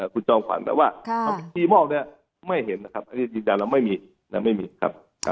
คุณช้อนขวัญแต่ว่าที่มอบเนี่ยไม่เห็นนะครับอันนี้จริงจังแล้วไม่มีไม่มีครับ